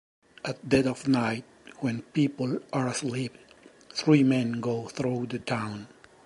At dead of night, when people are asleep, three men go through the town.